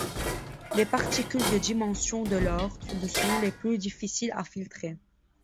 Les particules de dimension de l'ordre de sont les plus difficiles à filtrer.